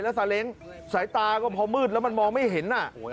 แล้วซาเล้งสายตาก็พอมืดแล้วมันมองไม่เห็น